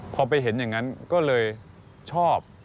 พอไปเห็นอย่างนั้นก็เลยชอบ